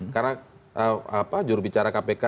karena jurubicara kpk